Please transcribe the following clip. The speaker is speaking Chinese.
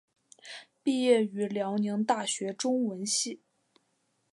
毕业于辽宁大学中文系。